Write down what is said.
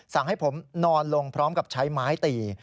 ให้ผมนอนลงพร้อมกับใช้ไม้ตี